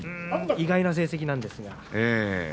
意外な成績なんですが。